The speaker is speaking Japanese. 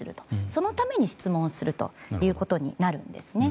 そのために質問するということになるんですね。